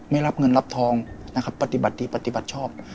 ไม่รับเงินรับทองนะครับปฏิบัติดีปฏิบัติชอบ